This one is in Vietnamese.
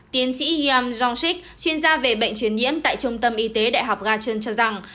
tiến sĩ yam jong sik chuyên gia về bệnh truyền nhiễm tại trung tâm y tế đại học gachon cho rằng